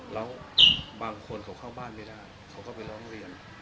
แล้วบางคนเขาเข้าบ้านไม่ได้เขาก็ไปร้องเรียน